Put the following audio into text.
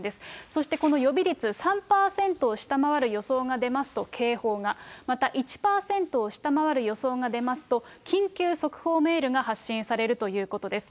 そしてこの予備率、３％を下回る予想が出ますと警報が、また１％を下回る予想が出ますと、緊急速報メールが発信されるということです。